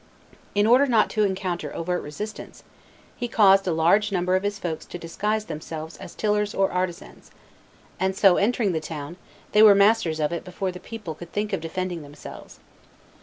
In order not to encounter overt resistance, he caused a large number of his folks to disguise themselves as tillers or artisans; and so entering the town, they were masters of it before the people could think of defending themselves.